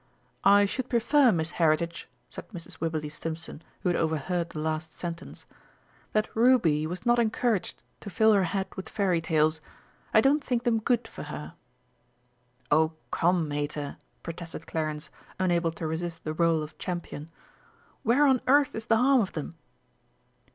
"I should prefer, Miss Heritage," said Mrs. Wibberley Stimpson, who had overheard the last sentence, "that Ruby was not encouraged to fill her head with Fairy tales. I don't think them good for her." "Oh, come, Mater!" protested Clarence, unable to resist the rôle of Champion. "Where on earth is the harm of them."